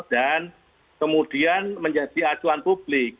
dan kemudian menjadi acuan publik